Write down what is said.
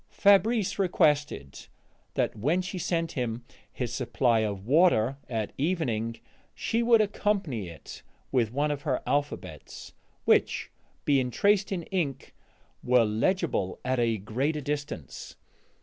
Fabrice requested that when she sent him his supply of water at evening she would accompany it with one of her alphabets, which, being traced in ink, were legible at a greater distance.